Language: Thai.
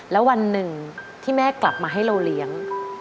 แล้ววันหนึ่งที่แม่กลับมาให้เราเลี้ยง